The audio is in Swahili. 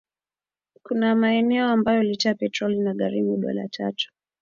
kuna maeneo ambayo lita ya petroli inagharimu dola tatu